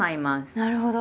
なるほど。